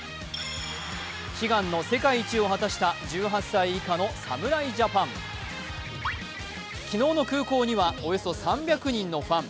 悲願の世界一を果たした１８歳以下の侍ジャパン昨日の空港にはおよそ３００人のファン。